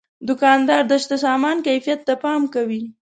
دوکاندار د شته سامان کیفیت ته پام کوي.